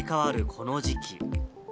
この時期。